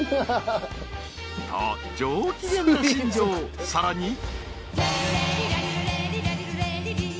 ［さらに］